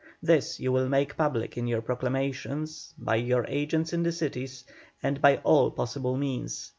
This you will make public in your proclamations, by your agents in the cities, and by all possible means.